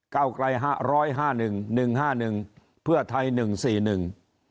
เก้าไกลห้าร้อยห้าหนึ่งหนึ่งห้าหนึ่งเพื่อไทยหนึ่งสี่หนึ่ง